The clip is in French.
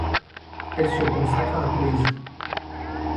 Elle se consacre à la poésie.